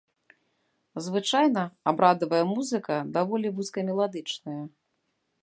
Звычайна абрадавая музыка даволі вузкамеладычная.